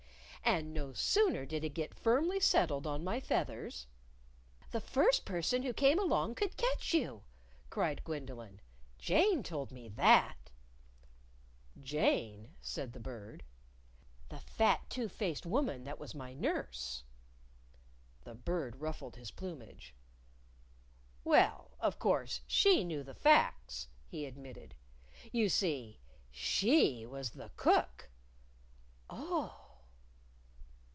"And no sooner did it get firmly settled on my feathers " "The first person that came along could catch you!" cried Gwendolyn, "Jane told me that." "Jane?" said the Bird. "The fat two faced woman that was my nurse." The Bird ruffled his plumage. "Well, of course she knew the facts," he admitted "You see, she was the cook." "Oh!"